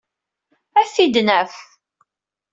Ad t-id-naf.